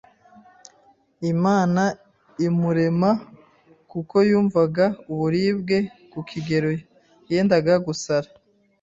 Imana imurema kuko yumvaga uburibwe ku kigero yendaga gusara